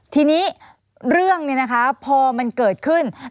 ทีนี้เรื่องนี้นะคะพอมันเกิดขึ้น